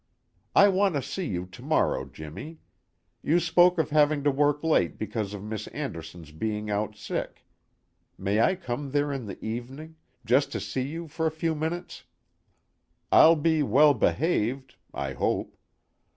"I want to see you tomorrow, Jimmy. You spoke of having to work late because of Miss Anderson's being out sick may I come there in the evening, just to see you for a few minutes? I'll be well behaved (I hope).